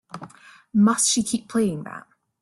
Must she keep playing that?